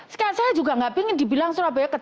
sekarang saya juga enggak pingin dibilang surabaya besar